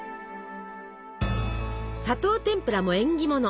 砂糖てんぷらも縁起物。